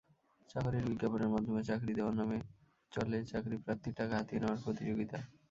চাকরির বিজ্ঞাপনের মাধ্যমে চাকরি দেওয়ার নামে চলে চাকরিপ্রার্থীর টাকা হাতিয়ে নেওয়ার প্রতিযোগিতা।